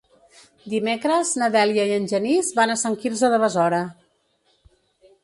Dimecres na Dèlia i en Genís van a Sant Quirze de Besora.